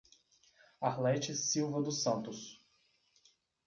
Arlete Silva dos Santos